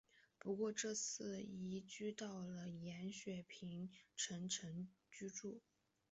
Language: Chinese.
不过这次是移居到了延雪平城城居住。